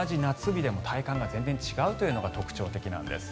日でも体感が全然違うというのが特徴的なんです。